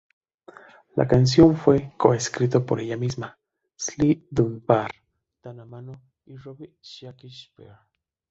La canción fue co-escrito por ella misma, Sly Dunbar, Dana Mano y Robbie Shakespeare.